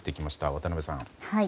渡辺さん。